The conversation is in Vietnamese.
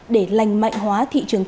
để lành mạnh hóa thị trường thương mại